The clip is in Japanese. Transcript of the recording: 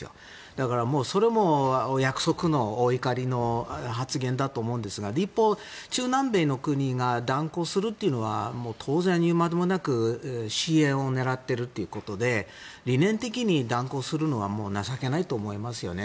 だからもうそれも、約束のお怒りの発言だと思うんですが一方、中南米の国が断交するというのは当然、言うまでもなく支援を狙ってるということで理念的に断交するのはもう情けないと思いますよね。